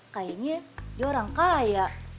kayaknya dia orang kaya